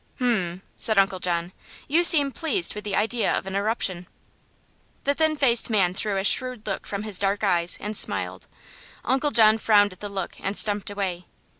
"Hm," said Uncle John. "You seem pleased with the idea of an eruption." The thin faced man threw a shrewd look from his dark eyes and smiled. Uncle John frowned at the look and stumped away.